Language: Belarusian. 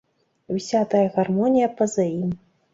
І ўся тая гармонія па-за ім.